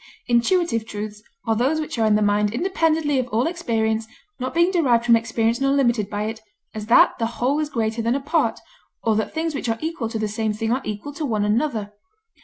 Intuitive truths are those which are in the mind independently of all experience, not being derived from experience nor limited by it, as that the whole is greater than a part, or that things which are equal to the same thing are equal to one another.